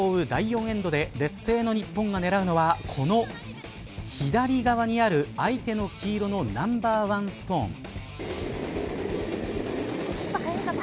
第４エンドで劣勢の日本が狙うのはこの左側にある相手の黄色のナンバーワンストーン。